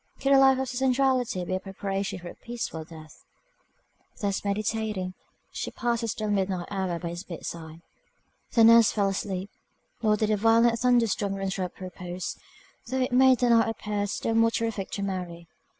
Could a life of sensuality be a preparation for a peaceful death? Thus meditating, she passed the still midnight hour by his bedside. The nurse fell asleep, nor did a violent thunder storm interrupt her repose, though it made the night appear still more terrific to Mary.